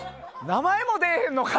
名前も出えへんのか。